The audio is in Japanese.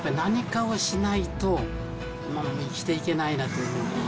やっぱり何かをしないと、生きていけないなという。